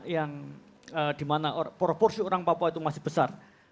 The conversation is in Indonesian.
yang dimana proporsi orang papua itu masih besar